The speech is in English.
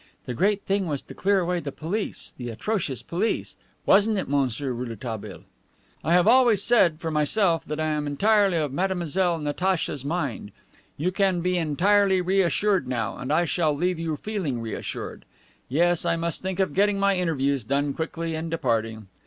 The great thing was to clear away the police, the atrocious police; wasn't it, Monsieur Rouletabille?" "I have always said, for myself, that I am entirely of Mademoiselle Natacha's mind. You can be entirely reassured now, and I shall leave you feeling reassured. Yes, I must think of getting my interviews done quickly, and departing.